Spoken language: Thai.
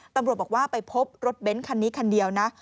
ตำรวจบอกว่าไปพบรถเบ้นคันนี้คันเดียวนะ